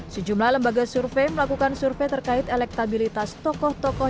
sejumlah lembaga survei melakukan survei terkait elektabilitas tokoh tokoh